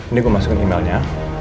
ini gue masukin emailnya